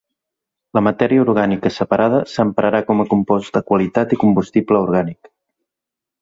La matèria orgànica separada s’emprarà com a compost de qualitat i combustible orgànic.